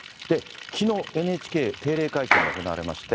きのう、ＮＨＫ、定例会見が行われまして。